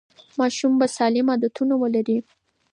ماشومان به سالم عادتونه ولري.